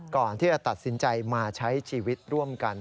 ก่อนที่จะตัดสินใจมาใช้ชีวิตร่วมกัน